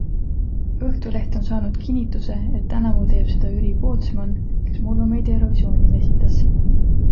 Õhtuleht on saanud kinnituse, et tänavu teeb seda Jüri Pootsmann, kes mullu meid Eurovisionil esindas.